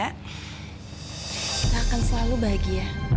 kita akan selalu bahagia